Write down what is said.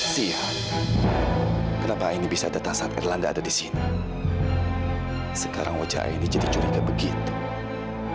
siap kenapa ini bisa datang saat erlangga ada di sini sekarang wajah ini jadi curiga begitu